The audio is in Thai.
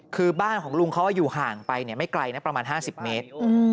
คือบ้านของลุงเขาอยู่ห่างไปไม่ไกลนะประมาณ๕๐เมตร